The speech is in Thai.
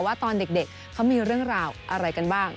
ว่าตอนเด็กเขามีเรื่องราวอะไรกันบ้าง